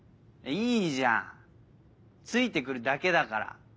いいじゃんついてくるだけだから。